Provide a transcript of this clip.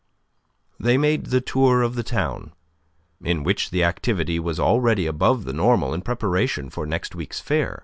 They made the tour of the town, in which the activity was already above the normal in preparation for next week's fair.